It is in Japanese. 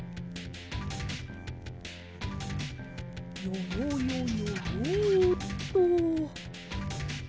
よよよよよっと。